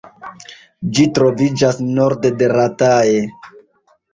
Ĝi troviĝas norde de Rataje.